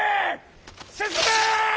進め！